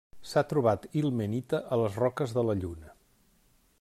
S'ha trobat ilmenita a les roques de la Lluna.